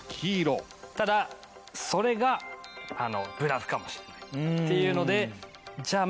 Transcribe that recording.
ただそれがブラフかもしれないっていうのでじゃあま